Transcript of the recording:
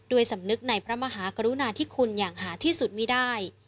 สำนึกในพระมหากรุณาธิคุณอย่างหาที่สุดมีได้